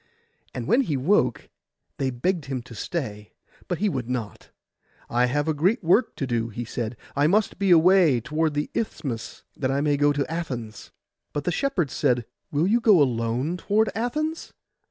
And when he woke, they begged him to stay; but he would not. 'I have a great work to do,' he said; 'I must be away toward the Isthmus, that I may go to Athens.' But the shepherds said, 'Will you go alone toward Athens?